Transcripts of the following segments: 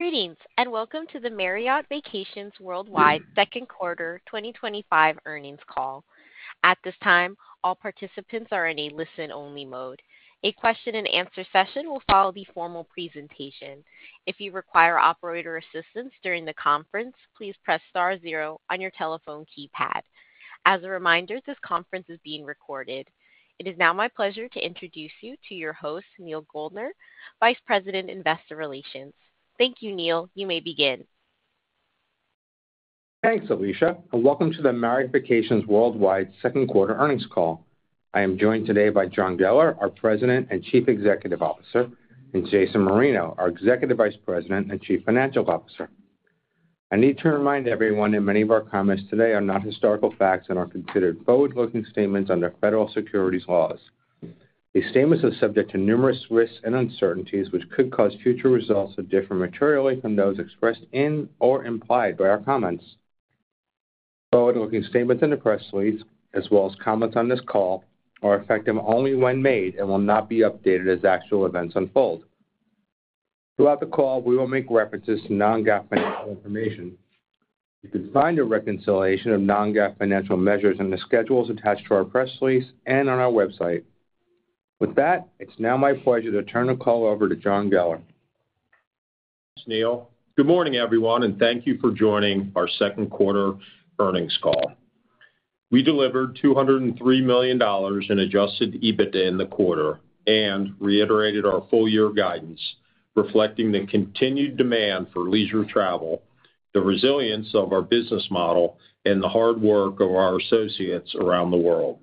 Greetings and welcome to the Marriott Vacations Worldwide Second Quarter 2025 Earnings Call. At this time, all participants are in a listen-only mode. A question and answer session will follow the formal presentation. If you require operator assistance during the conference, please press star zero on your telephone keypad. As a reminder, this conference is being recorded. It is now my pleasure to introduce you to your host, Neal Goldner, Vice President, Investor Relations. Thank you, Neal. You may begin. Thanks, Alicia, and welcome to the Marriott Vacations Worldwide Second Quarter Earnings Call. I am joined today by John Geller, our President and Chief Executive Officer, and Jason Marino, our Executive Vice President and Chief Financial Officer. I need to remind everyone that many of our comments today are not historical facts and are considered forward-looking statements under federal securities laws. These statements are subject to numerous risks and uncertainties which could cause future results to differ materially from those expressed in or implied by our comments. Forward-looking statements in the press release, as well as comments on this call, are effective only when made and will not be updated as actual events unfold. Throughout the call, we will make references to non-GAAP financial information. You can find a reconciliation of non-GAAP financial measures in the schedules attached to our press release and on our website. With that, it's now my pleasure to turn the call over to John Geller. Thanks, Neal. Good morning, everyone, and thank you for joining our second quarter earnings call. We delivered $203 million in adjusted EBITDA in the quarter and reiterated our full-year guidance, reflecting the continued demand for leisure travel, the resilience of our business model, and the hard work of our associates around the world.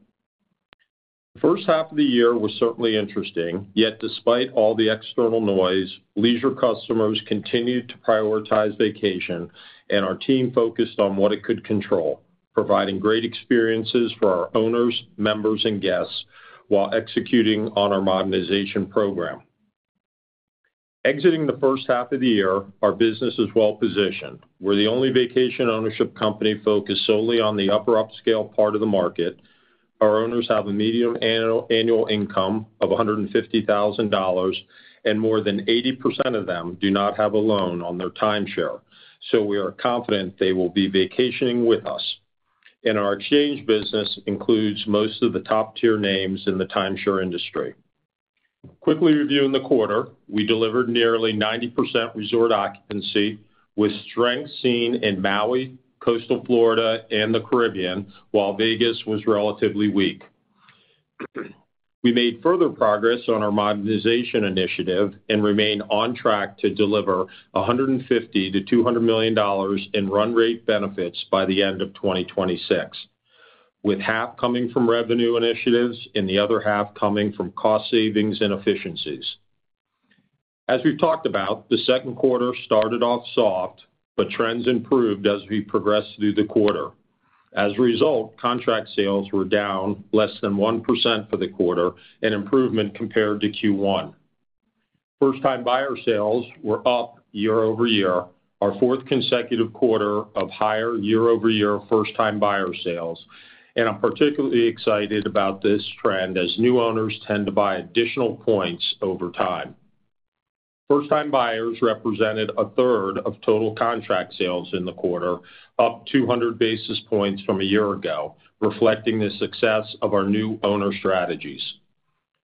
The first half of the year was certainly interesting, yet despite all the external noise, leisure customers continued to prioritize vacation, and our team focused on what it could control, providing great experiences for our owners, members, and guests while executing on our modernization program. Exiting the first half of the year, our business is well-positioned. We're the only vacation ownership company focused solely on the upper upscale part of the market. Our owners have a median annual income of $150,000, and more than 80% of them do not have a loan on their timeshare, so we are confident they will be vacationing with us. Our exchange business includes most of the top-tier names in the timeshare industry. Quickly reviewing the quarter, we delivered nearly 90% resort occupancy with strength seen in Maui, Coastal Florida, and the Caribbean, while Vegas was relatively weak. We made further progress on our modernization initiative and remain on track to deliver $150 million-$200 million in run-rate benefits by the end of 2026, with half coming from revenue initiatives and the other half coming from cost savings and efficiencies. As we've talked about, the second quarter started off soft, but trends improved as we progressed through the quarter. As a result, contract sales were down less than 1% for the quarter, an improvement compared to Q1. First-time buyer sales were up year-over-year, our fourth consecutive quarter of higher year-over-year first-time buyer sales, and I'm particularly excited about this trend as new owners tend to buy additional points over time. First-time buyers represented a third of total contract sales in the quarter, up 200 basis points from a year ago, reflecting the success of our new owner strategies.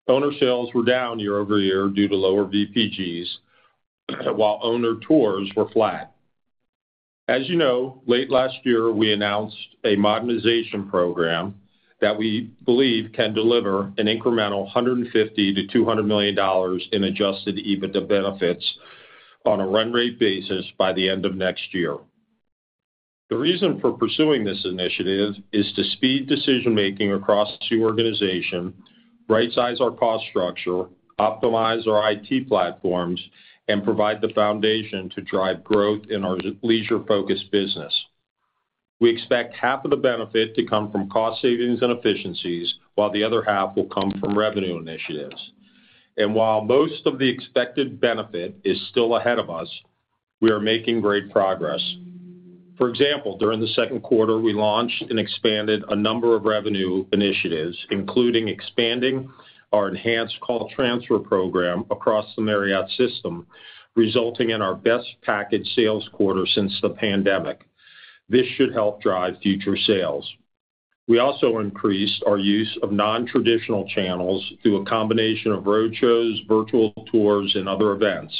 Owner sales were down year-over-year due to lower VPGs, while owner tours were flat. As you know, late last year, we announced a modernization program that we believe can deliver an incremental $150 million-$200 million in adjusted EBITDA benefits on a run-rate basis by the end of next year. The reason for pursuing this initiative is to speed decision-making across the organization, right-size our cost structure, optimize our IT platforms, and provide the foundation to drive growth in our leisure-focused business. We expect half of the benefit to come from cost savings and efficiencies, while the other half will come from revenue initiatives. While most of the expected benefit is still ahead of us, we are making great progress. For example, during the second quarter, we launched and expanded a number of revenue initiatives, including expanding our enhanced call transfer program across the Marriott system, resulting in our best-packaged sales quarter since the pandemic. This should help drive future sales. We also increased our use of non-traditional sales channels through a combination of road shows, virtual tours, and other events,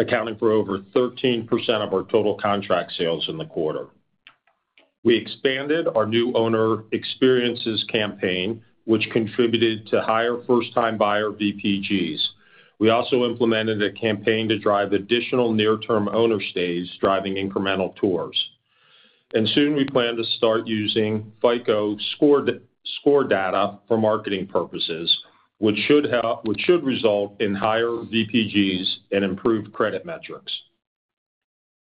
accounting for over 13% of our total contract sales in the quarter. We expanded our new owner experiences campaign, which contributed to higher first-time buyer VPGs. We also implemented a campaign to drive additional near-term owner stays, driving incremental tours. Soon, we plan to start using FICO score data for marketing purposes, which should result in higher VPGs and improved credit metrics.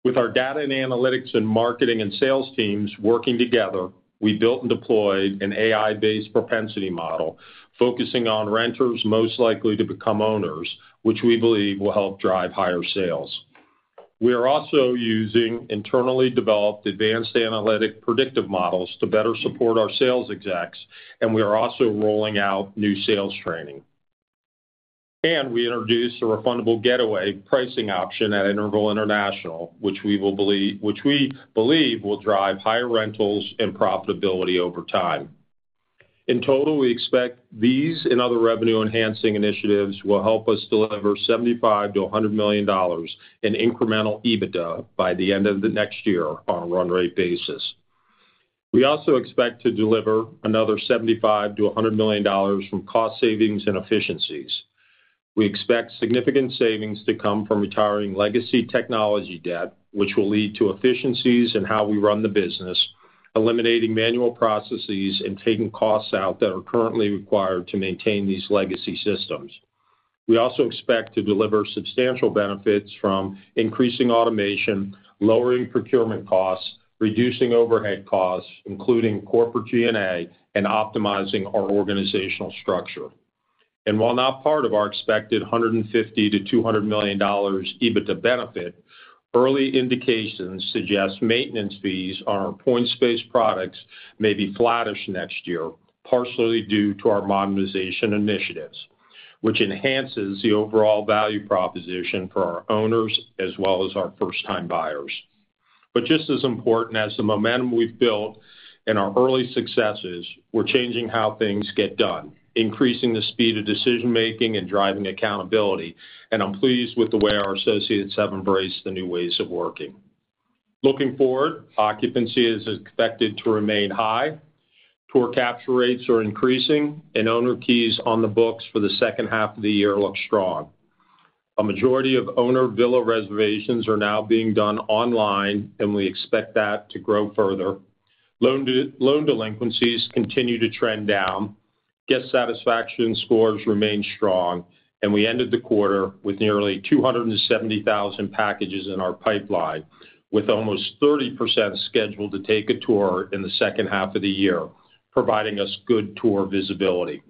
With our data and analytics and marketing and sales teams working together, we built and deployed an AI-driven propensity model focusing on renters most likely to become owners, which we believe will help drive higher sales. We are also using internally developed advanced analytic predictive models to better support our sales execs, and we are also rolling out new sales training. We introduced a refundable getaway pricing option at Interval International, which we believe will drive higher rentals and profitability over time. In total, we expect these and other revenue-enhancing initiatives will help us deliver $75 million-$100 million in incremental adjusted EBITDA by the end of the next year on a run-rate basis. We also expect to deliver another $75 million-$100 million from cost savings and efficiencies. We expect significant savings to come from retiring legacy technology debt, which will lead to efficiencies in how we run the business, eliminating manual processes and taking costs out that are currently required to maintain these legacy systems. We also expect to deliver substantial benefits from increasing automation, lowering procurement costs, reducing overhead costs, including corporate G&A, and optimizing our organizational structure. While not part of our expected $150 million-$200 million adjusted EBITDA benefit, early indications suggest maintenance fees on our point-based products may be flattish next year, partially due to our modernization program, which enhances the overall value proposition for our owners as well as our first-time buyers. Just as important as the momentum we've built and our early successes, we're changing how things get done, increasing the speed of decision-making and driving accountability, and I'm pleased with the way our associates have embraced the new ways of working. Looking forward, resort occupancy is expected to remain high, tour capture rates are increasing, and owner keys on the books for the second half of the year look strong. A majority of owner villa reservations are now being done online, and we expect that to grow further. Loan delinquencies continue to trend down, guest satisfaction scores remain strong, and we ended the quarter with nearly 270,000 packages in our pipeline, with almost 30% scheduled to take a tour in the second half of the year, providing us good tour visibility.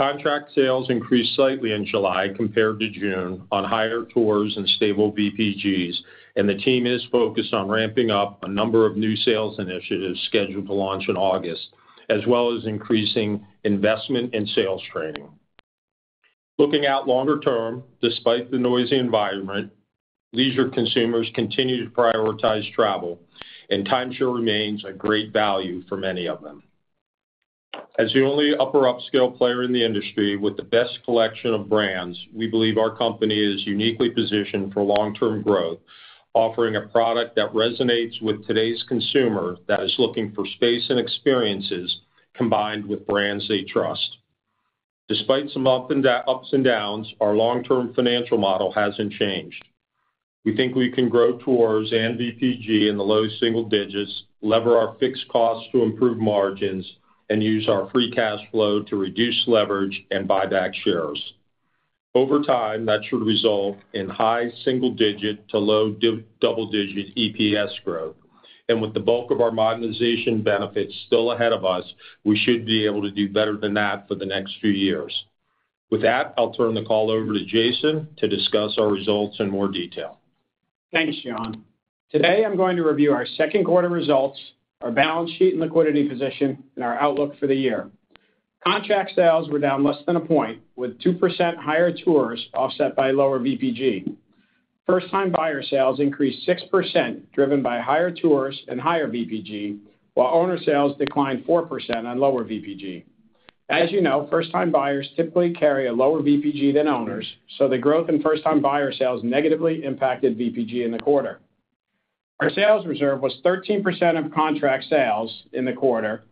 Contract sales increased slightly in July compared to June on higher tours and stable VPGs, and the team is focused on ramping up a number of new sales initiatives scheduled to launch in August, as well as increasing investment in sales training. Looking out longer term, despite the noisy environment, leisure consumers continue to prioritize travel, and timeshare remains a great value for many of them. As the only upper upscale player in the industry with the best collection of brands, we believe our company is uniquely positioned for long-term growth, offering a product that resonates with today's consumer that is looking for space and experiences combined with brands they trust. Despite some ups and downs, our long-term financial model hasn't changed. We think we can grow tours and VPG in the low single digits, lever our fixed costs to improve margins, and use our free cash flow to reduce leverage and buy back shares. Over time, that should result in high single-digit to low double-digit EPS growth. With the bulk of our modernization program benefits still ahead of us, we should be able to do better than that for the next few years. With that, I'll turn the call over to Jason to discuss our results in more detail. Thanks, John. Today, I'm going to review our second quarter results, our balance sheet and liquidity position, and our outlook for the year. Contract sales were down less than a point, with 2% higher tours offset by lower VPG. First-time buyer sales increased 6%, driven by higher tours and higher VPG, while owner sales declined 4% on lower VPG. As you know, first-time buyers typically carry a lower VPG than owners, so the growth in first-time buyer sales negatively impacted VPG in the quarter. Our sales reserve was 13% of contract sales in the quarter,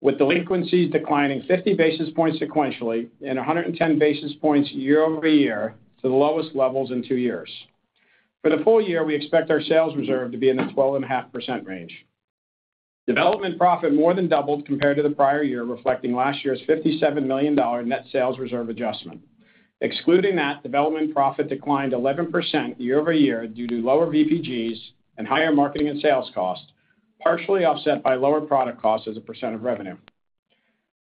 with delinquencies declining 50 basis points sequentially and 110 basis points year-over-year to the lowest levels in two years. For the full year, we expect our sales reserve to be in the 12.5% range. Development profit more than doubled compared to the prior year, reflecting last year's $57 million net sales reserve adjustment. Excluding that, development profit declined 11% year-over-year due to lower VPGs and higher marketing and sales costs, partially offset by lower product costs as a percent of revenue.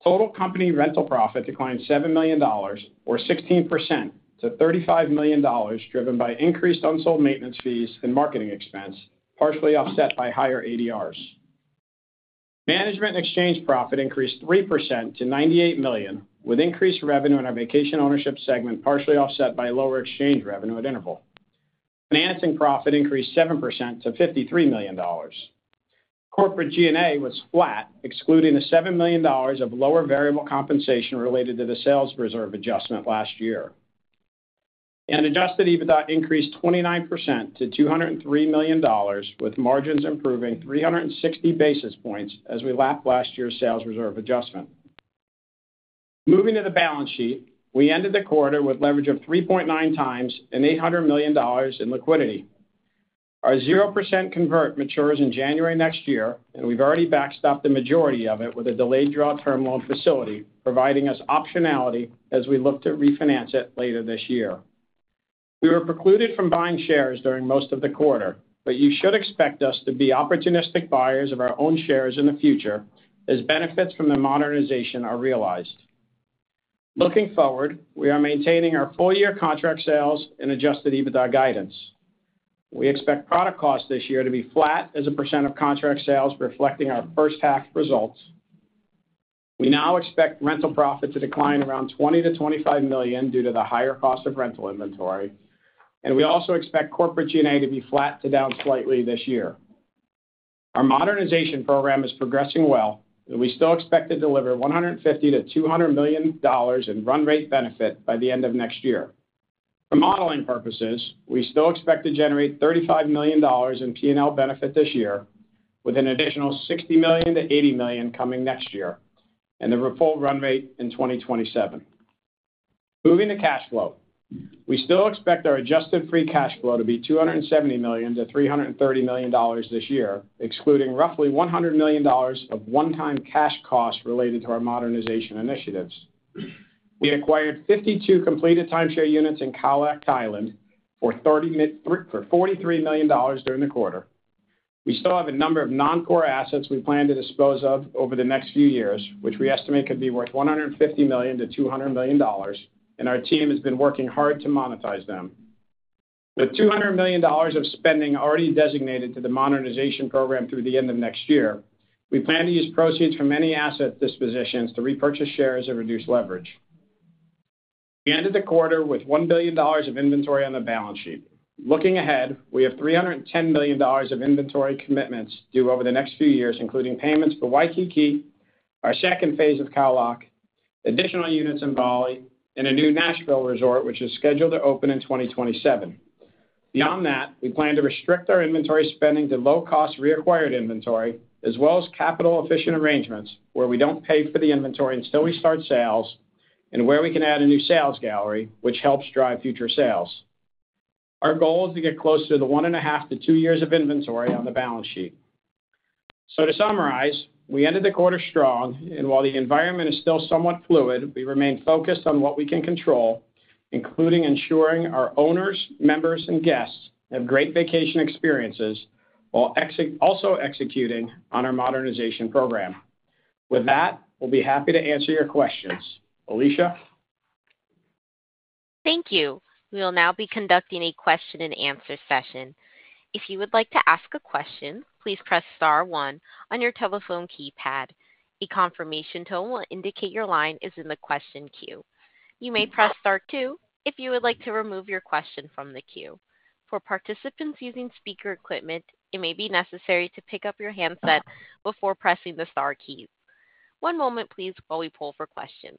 Total company rental profit declined $7 million, or 16%, to $35 million, driven by increased unsold maintenance fees and marketing expense, partially offset by higher ADRs. Management exchange profit increased 3% to $98 million, with increased revenue in our vacation ownership segment partially offset by lower exchange revenue at Interval International. Financing profit increased 7% to $53 million. Corporate G&A was flat, excluding the $7 million of lower variable compensation related to the sales reserve adjustment last year. Adjusted EBITDA increased 29% to $203 million, with margins improving 360 basis points as we lapped last year's sales reserve adjustment. Moving to the balance sheet, we ended the quarter with leverage of 3.9x and $800 million in liquidity. Our 0% convert matures in January next year, and we've already backstopped the majority of it with a delayed draw term loan facility, providing us optionality as we look to refinance it later this year. We were precluded from buying shares during most of the quarter, but you should expect us to be opportunistic buyers of our own shares in the future as benefits from the modernization program are realized. Looking forward, we are maintaining our full-year contract sales and adjusted EBITDA guidance. We expect product costs this year to be flat as a percent of contract sales, reflecting our first half results. We now expect rental profit to decline around $20 million-$25 million due to the higher cost of rental inventory, and we also expect corporate G&A to be flat to down slightly this year. Our modernization program is progressing well, and we still expect to deliver $150 million-$200 million in run-rate benefit by the end of next year. For modeling purposes, we still expect to generate $35 million in P&L benefit this year, with an additional $60 million-$80 million coming next year, and the full run rate in 2027. Moving to cash flow, we still expect our adjusted free cash flow to be $270 million-$330 million this year, excluding roughly $100 million of one-time cash costs related to our modernization initiatives. We acquired 52 completed timeshare units in Khao Lak, Thailand for $43 million during the quarter. We still have a number of non-core assets we plan to dispose of over the next few years, which we estimate could be worth $150 million-$200 million, and our team has been working hard to monetize them. With $200 million of spending already designated to the modernization program through the end of next year, we plan to use proceeds from any asset dispositions to repurchase shares and reduce leverage. We ended the quarter with $1 billion of inventory on the balance sheet. Looking ahead, we have $310 million of inventory commitments due over the next few years, including payments for Waikiki, our second phase of Khao Lak, additional units in Bali, and a new Nashville resort, which is scheduled to open in 2027. Beyond that, we plan to restrict our inventory spending to low-cost reacquired inventory, as well as capital-efficient arrangements where we don't pay for the inventory until we start sales, and where we can add a new sales gallery, which helps drive future sales. Our goal is to get closer to the one and a half to two years of inventory on the balance sheet. To summarize, we ended the quarter strong, and while the environment is still somewhat fluid, we remain focused on what we can control, including ensuring our owners, members, and guests have great vacation experiences while also executing on our modernization program. With that, we'll be happy to answer your questions. Alicia? Thank you. We will now be conducting a question and answer session. If you would like to ask a question, please press star one on your telephone keypad. A confirmation tone will indicate your line is in the question queue. You may press star two if you would like to remove your question from the queue. For participants using speaker equipment, it may be necessary to pick up your handset before pressing the star key. One moment, please, while we pull for questions.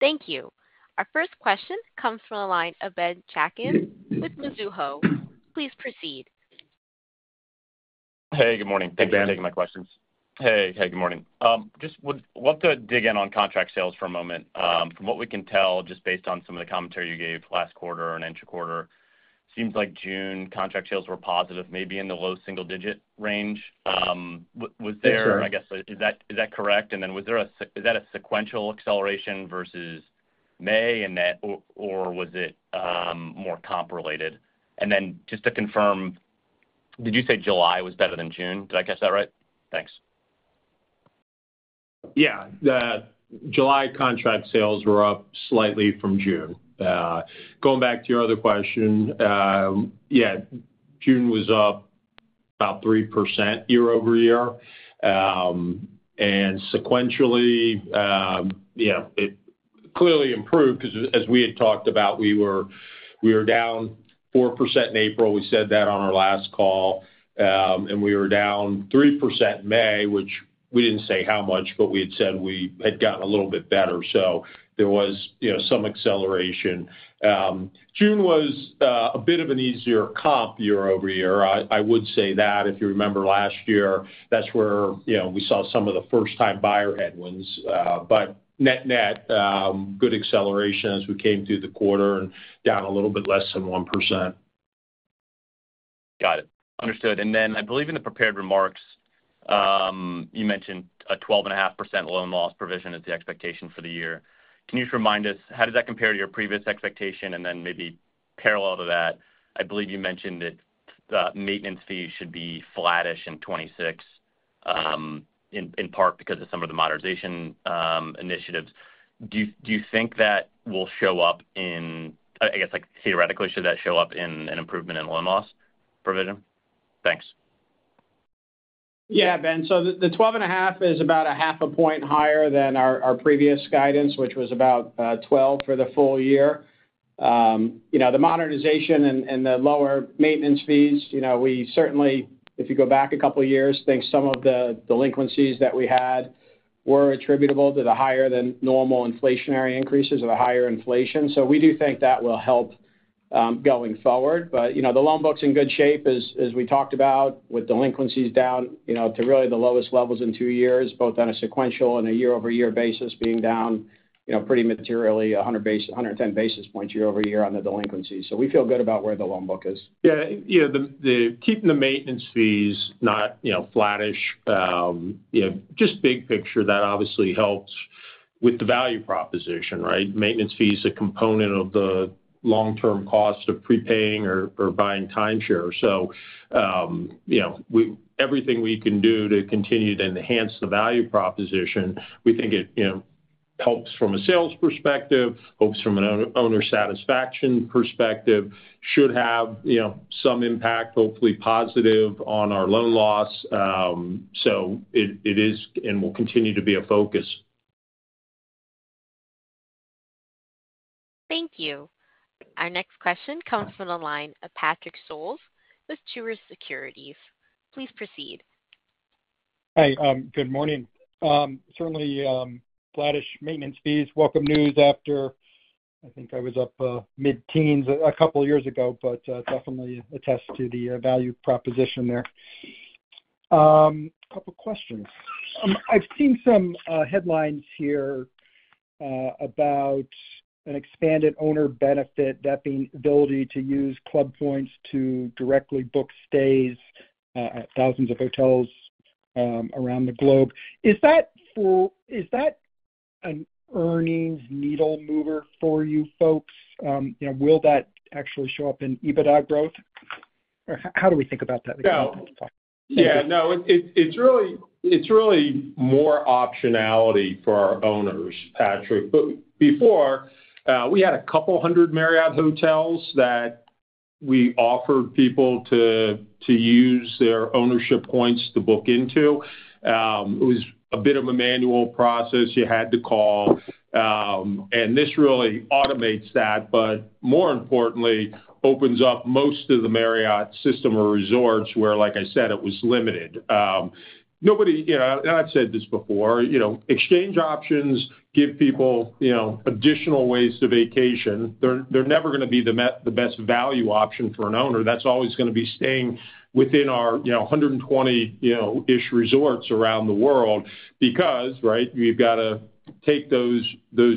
Thank you. Our first question comes from the line of Ben Chaiken with Mizuho. Please proceed. Hey, good morning. Thanks for handling my questions. Good morning. Just would love to dig in on contract sales for a moment. From what we can tell, just based on some of the commentary you gave last quarter and intra-quarter, it seems like June contract sales were positive, maybe in the low single-digit range. Is that correct? Was that a sequential acceleration versus May, or was it more comp-related? Just to confirm, did you say July was better than June? Did I catch that right? Thanks. Yeah, the July contract sales were up slightly from June. Going back to your other question, June was up about 3% year-over-year. Sequentially, it clearly improved because, as we had talked about, we were down 4% in April. We said that on our last call. We were down 3% in May, which we didn't say how much, but we had said we had gotten a little bit better. There was some acceleration. June was a bit of an easier comp year-over-year. I would say that if you remember last year, that's where we saw some of the first-time buyer headwinds. Net-net, good acceleration as we came through the quarter and down a little bit less than 1%. Got it. Understood. I believe in the prepared remarks, you mentioned a 12.5% loan loss provision as the expectation for the year. Can you just remind us, how does that compare to your previous expectation? Maybe parallel to that, I believe you mentioned that the maintenance fee should be flattish in 2026, in part because of some of the modernization initiatives. Do you think that will show up in, I guess, like theoretically, should that show up in an improvement in loan loss provision? Thanks. Yeah, Ben. The 12.5% is about a half a point higher than our previous guidance, which was about 12% for the full year. The modernization and the lower maintenance fees, if you go back a couple of years, some of the delinquencies that we had were attributable to the higher than normal inflationary increases or the higher inflation. We do think that will help going forward. The loan book is in good shape, as we talked about, with delinquencies down to really the lowest levels in two years, both on a sequential and a year-over-year basis, being down pretty materially, 110 basis points year-over-year on the delinquencies. We feel good about where the loan book is. Yeah, you know, keeping the maintenance fees not, you know, flattish, just big picture, that obviously helps with the value proposition, right? Maintenance fees are a component of the long-term cost of prepaying or buying timeshare. Everything we can do to continue to enhance the value proposition, we think it helps from a sales perspective, helps from an owner satisfaction perspective, should have some impact, hopefully positive on our loan loss. It is and will continue to be a focus. Thank you. Our next question comes from the line of Patrick Scholes with Truist Securities. Please proceed. Hey, good morning. Certainly, flattish maintenance fees, welcome news after I think I was up mid-teens a couple of years ago, but definitely attest to the value proposition there. A couple of questions. I've seen some headlines here about an expanded owner benefit, that being the ability to use Club points to directly book stays at thousands of hotels around the globe. Is that for, is that an earnings needle mover for you folks? You know, will that actually show up in EBITDA growth? Or how do we think about that? Yeah, no, it's really more optionality for our owners, Patrick. Before, we had a couple hundred Marriott hotels that we offered people to use their ownership points to book into. It was a bit of a manual process. You had to call. This really automates that, but more importantly, opens up most of the Marriott system or resorts where, like I said, it was limited. I've said this before, exchange options give people additional ways to vacation. They're never going to be the best value option for an owner. That's always going to be staying within our 120-ish resorts around the world because, right, you've got to take those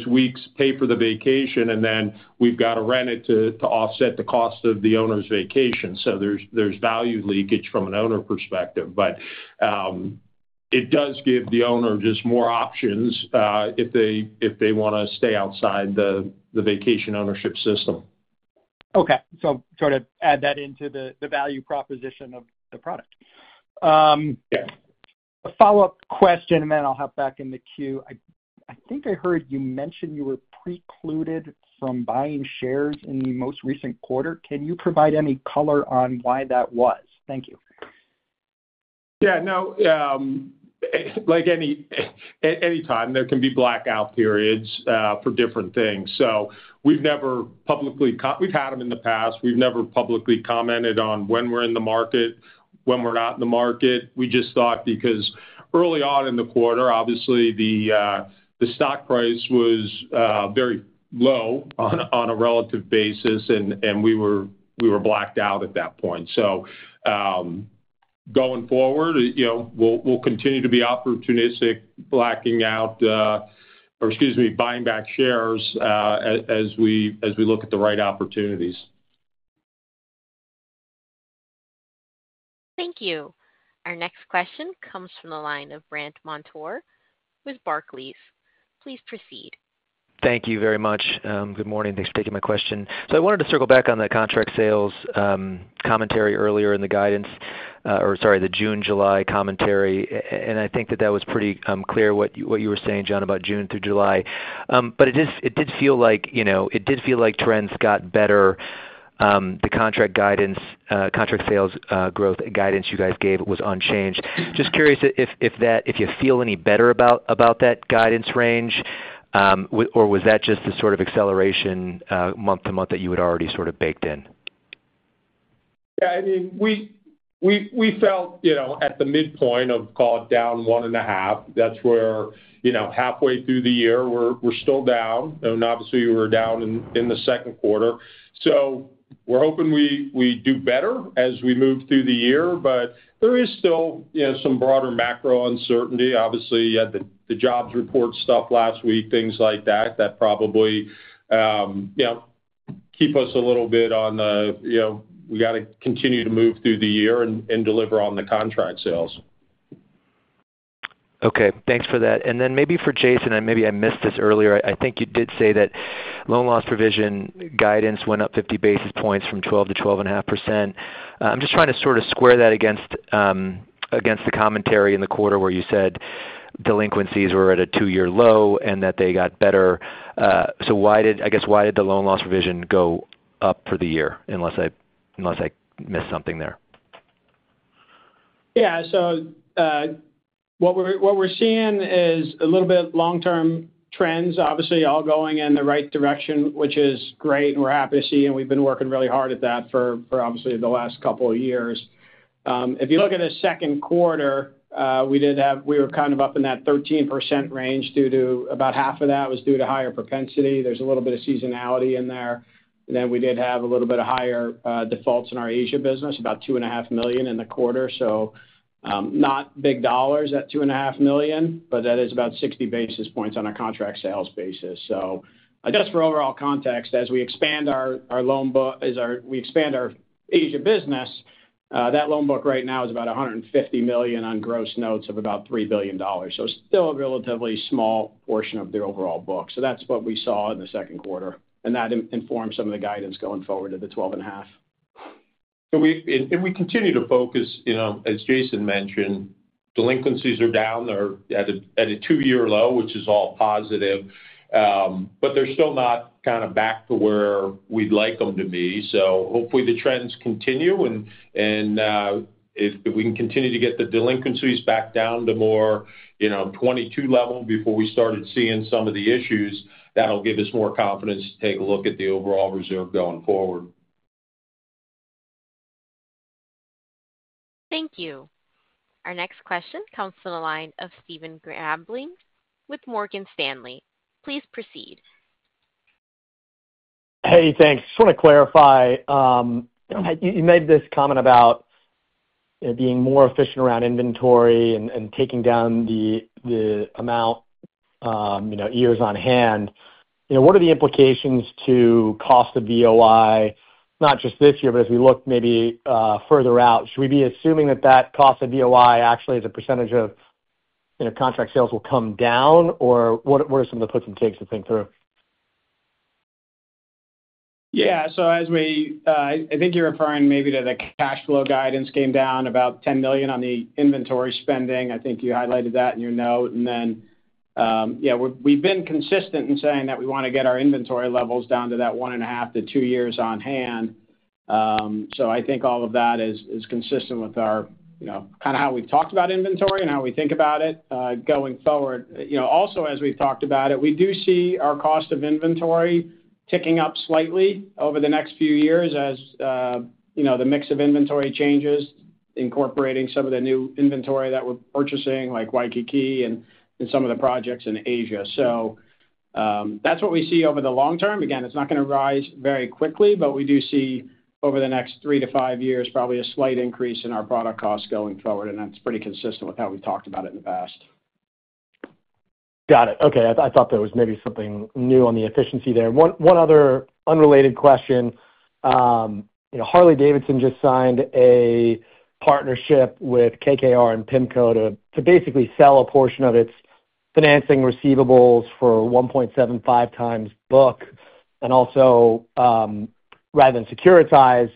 weeks, pay for the vacation, and then we've got to rent it to offset the cost of the owner's vacation. There's value leakage from an owner perspective. It does give the owner just more options if they want to stay outside the vacation ownership system. Okay, so I'm trying to add that into the value proposition of the product. A follow-up question, and then I'll hop back in the queue. I think I heard you mention you were precluded from buying shares in the most recent quarter. Can you provide any color on why that was? Thank you. Yeah, like anytime, there can be blackout periods for different things. We've never publicly, we've had them in the past, we've never publicly commented on when we're in the market, when we're not in the market. We just thought because early on in the quarter, obviously, the stock price was very low on a relative basis, and we were blacked out at that point. Going forward, you know, we'll continue to be opportunistic, buying back shares as we look at the right opportunities. Thank you. Our next question comes from the line of Brandt Montour with Barclays. Please proceed. Thank you very much. Good morning. Thanks for taking my question. I wanted to circle back on the contract sales commentary earlier in the guidance, or sorry, the June, July commentary. I think that was pretty clear what you were saying, John, about June through July. It did feel like trends got better. The contract sales growth guidance you guys gave was unchanged. Just curious if you feel any better about that guidance range, or was that just the sort of acceleration month to month that you had already sort of baked in? Yeah, I mean, we felt, you know, at the midpoint of call down 1.5%, that's where, you know, halfway through the year, we're still down. Obviously, we were down in the second quarter. We're hoping we do better as we move through the year, but there is still, you know, some broader macro uncertainty. Obviously, you had the jobs report stuff last week, things like that, that probably, you know, keep us a little bit on the, you know, we got to continue to move through the year and deliver on the contract sales. Okay, thanks for that. Maybe for Jason, and maybe I missed this earlier, I think you did say that loan loss provision guidance went up 50 basis points from 12% to 12.5%. I'm just trying to sort of square that against the commentary in the quarter where you said delinquencies were at a two-year low and that they got better. Why did the loan loss provision go up for the year, unless I missed something there? Yeah, so what we're seeing is a little bit long-term trends, obviously, all going in the right direction, which is great, and we're happy to see, and we've been working really hard at that for obviously the last couple of years. If you look at the second quarter, we did have, we were kind of up in that 13% range due to about half of that was due to higher propensity. There's a little bit of seasonality in there. We did have a little bit of higher defaults in our Asia business, about $2.5 million in the quarter. Not big dollars at $2.5 million, but that is about 60 basis points on a contract sales basis. Just for overall context, as we expand our loan book, as we expand our Asia business, that loan book right now is about $150 million on gross notes of about $3 billion. It's still a relatively small portion of the overall book. That's what we saw in the second quarter. That informed some of the guidance going forward to the 12.5%. We continue to focus, you know, as Jason mentioned, delinquencies are down. They're at a two-year low, which is all positive. They're still not kind of back to where we'd like them to be. Hopefully the trends continue. If we can continue to get the delinquencies back down to more, you know, 2022 level before we started seeing some of the issues, that'll give us more confidence to take a look at the overall reserve going forward. Thank you. Our next question comes from the line of Stephen Grabling with Morgan Stanley. Please proceed. Hey, thanks. I just want to clarify, you made this comment about being more efficient around inventory and taking down the amount, you know, years on hand. What are the implications to cost of VOI, not just this year, but as we look maybe further out? Should we be assuming that that cost of VOI actually as a percentage of, you know, contract sales will come down, or what are some of the puts and takes to think through? Yeah, as we, I think you're referring maybe to the cash flow guidance came down about $10 million on the inventory spending. I think you highlighted that in your note. We've been consistent in saying that we want to get our inventory levels down to that one and a half to two years on hand. I think all of that is consistent with how we've talked about inventory and how we think about it going forward. Also, as we've talked about it, we do see our cost of inventory ticking up slightly over the next few years as the mix of inventory changes, incorporating some of the new inventory that we're purchasing, like Waikiki and some of the projects in Asia. That's what we see over the long term. It's not going to rise very quickly, but we do see over the next three to five years probably a slight increase in our product costs going forward. That's pretty consistent with how we've talked about it in the past. Got it. Okay, I thought there was maybe something new on the efficiency there. One other unrelated question. Harley-Davidson just signed a partnership with KKR and PIMCO to basically sell a portion of its financing receivables for 1.75x book. Also, rather than securitize,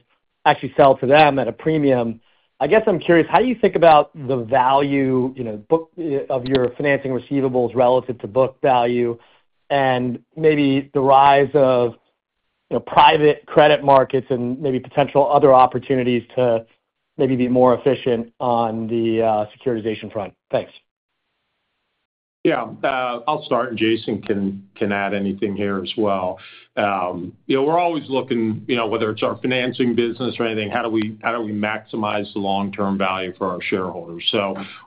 actually sell to them at a premium. I guess I'm curious, how do you think about the value of your financing receivables relative to book value and maybe the rise of private credit markets and maybe potential other opportunities to maybe be more efficient on the securitization front? Thanks. Yeah, I'll start. Jason can add anything here as well. We're always looking, whether it's our financing business or anything, how do we maximize the long-term value for our shareholders?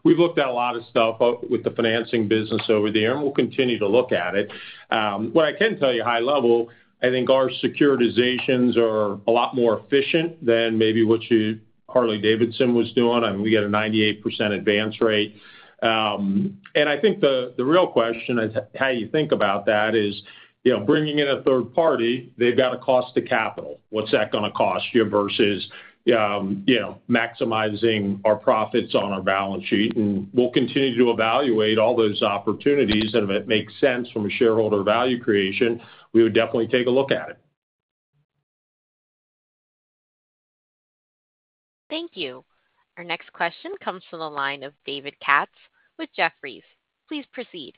We've looked at a lot of stuff with the financing business over the year and we'll continue to look at it. What I can tell you high level, I think our securitizations are a lot more efficient than maybe what Harley-Davidson was doing. We get a 98% advance rate. I think the real question is how you think about that is, bringing in a third party, they've got a cost of capital. What's that going to cost you versus maximizing our profits on our balance sheet? We'll continue to evaluate all those opportunities. If it makes sense from a shareholder value creation, we would definitely take a look at it. Thank you. Our next question comes from the line of David Katz with Jefferies. Please proceed.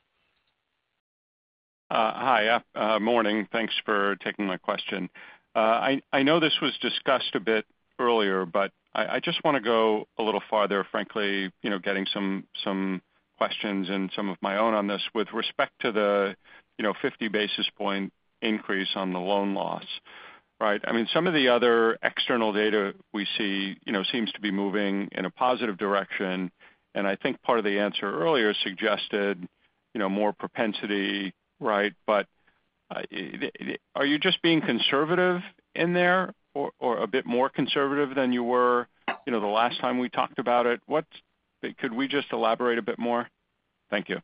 Hi, yeah, morning. Thanks for taking my question. I know this was discussed a bit earlier, but I just want to go a little farther, frankly, you know, getting some questions and some of my own on this with respect to the, you know, 50 basis point increase on the loan loss, right? I mean, some of the other external data we see seems to be moving in a positive direction. I think part of the answer earlier suggested more propensity, right? Are you just being conservative in there or a bit more conservative than you were the last time we talked about it? Could we just elaborate a bit more? Thank you.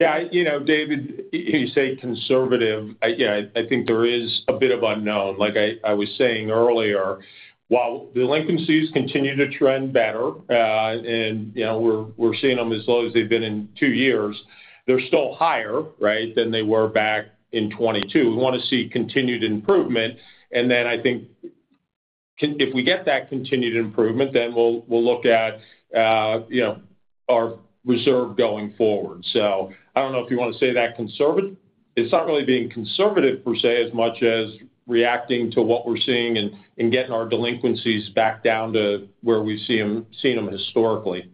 Yeah, you know, David, you say conservative. I think there is a bit of unknown. Like I was saying earlier, while delinquencies continue to trend better, and we're seeing them as low as they've been in two years, they're still higher, right, than they were back in 2022. We want to see continued improvement. I think if we get that continued improvement, then we'll look at our reserve going forward. I don't know if you want to say that is conservative. It's not really being conservative per se as much as reacting to what we're seeing and getting our delinquencies back down to where we've seen them historically.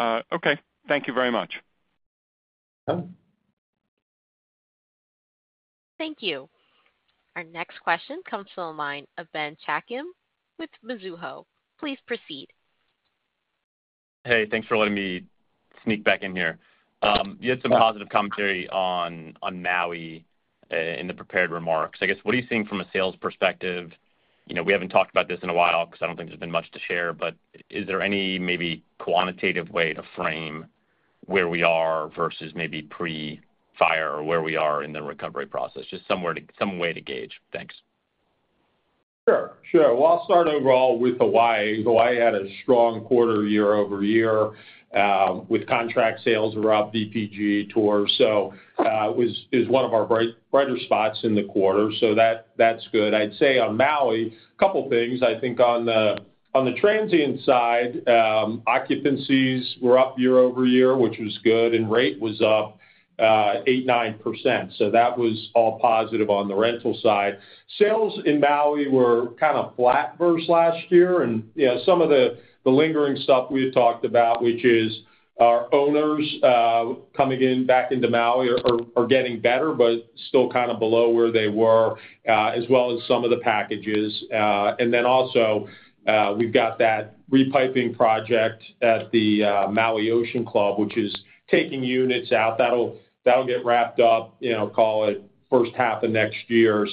Okay, thank you very much. Thank you. Our next question comes from the line of Ben Chiaken with Mizuho. Please proceed. Hey, thanks for letting me sneak back in here. You had some positive commentary on Maui in the prepared remarks. I guess, what are you seeing from a sales perspective? We haven't talked about this in a while because I don't think there's been much to share, but is there any maybe quantitative way to frame where we are versus maybe pre-fire or where we are in the recovery process? Just somewhere to some way to gauge. Thanks. Sure. I'll start overall with Hawaii. Hawaii had a strong quarter year-over-year with contract sales were up, VPG tours. It was one of our brighter spots in the quarter, so that's good. I'd say on Maui, a couple of things. I think on the transient side, occupancies were up year-over-year, which was good, and rate was up 8%, 9%. That was all positive on the rental side. Sales in Maui were kind of flat versus last year. Some of the lingering stuff we had talked about, which is our owners coming back into Maui, are getting better, but still kind of below where they were, as well as some of the packages. We've got that repiping project at the Maui Ocean Club, which is taking units out. That'll get wrapped up, call it first half of next year.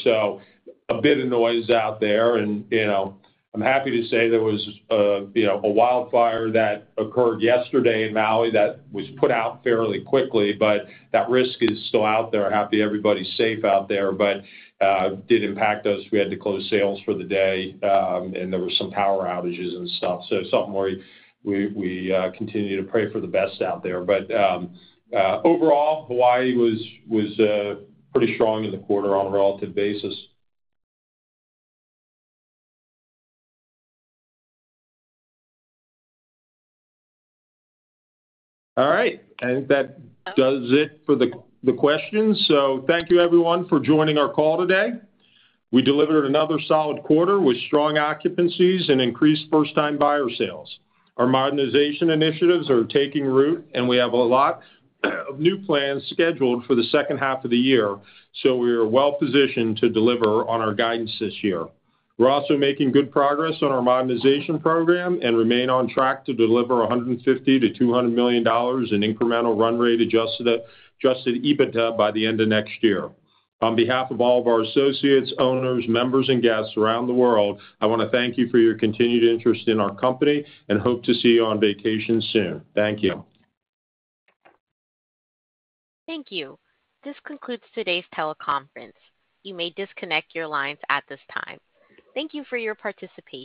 A bit of noise out there. I'm happy to say there was a wildfire that occurred yesterday in Maui that was put out fairly quickly, but that risk is still out there. Happy everybody's safe out there, but it did impact us. We had to close sales for the day, and there were some power outages and stuff. Something where we continue to pray for the best out there. Overall, Hawaii was pretty strong in the quarter on a relative basis. I think that does it for the questions. Thank you everyone for joining our call today. We delivered another solid quarter with strong occupancies and increased first-time buyer sales. Our modernization initiatives are taking root, and we have a lot of new plans scheduled for the second half of the year. We are well positioned to deliver on our guidance this year. We're also making good progress on our modernization program and remain on track to deliver $150 million-$200 million in incremental run rate adjusted EBITDA by the end of next year. On behalf of all of our associates, owners, members, and guests around the world, I want to thank you for your continued interest in our company and hope to see you on vacation soon. Thank you. Thank you. This concludes today's teleconference. You may disconnect your lines at this time. Thank you for your participation.